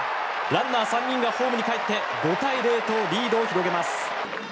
ランナー３人がホームにかえって５対０とリードを広げます。